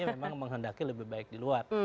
memang menghendaki lebih baik di luar